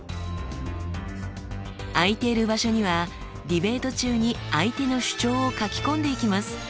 空いている場所にはディベート中に相手の主張を書き込んでいきます。